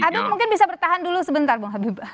habib mungkin bisa bertahan dulu sebentar bung habib